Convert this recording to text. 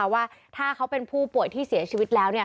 ว่าถ้าเขาเป็นผู้ป่วยที่เสียชีวิตแล้ว